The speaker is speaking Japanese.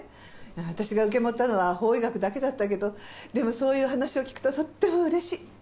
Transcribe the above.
私が受け持ったのは法医学だけだったけどでもそういう話を聞くととってもうれしい。